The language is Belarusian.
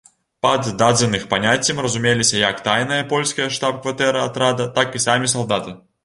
Пад дадзеных паняццем разумеліся як тайная польская штаб-кватэра атрада, так і самі салдаты.